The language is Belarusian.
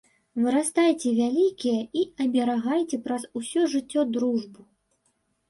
Вырастайце вялікія і аберагайце праз усё жыццё дружбу.